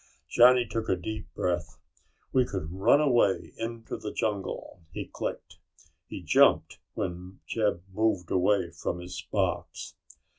Johnny took a deep breath. "We could run away into the jungle!" he clicked. He jumped when Jeb moved away from his box.